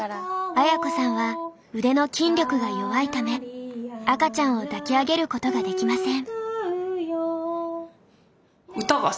綾子さんは腕の筋力が弱いため赤ちゃんを抱き上げることができません。